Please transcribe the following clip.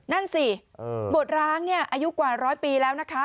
นั่นสิบวชร้างเนี่ยอายุกว่าร้อยปีแล้วนะคะ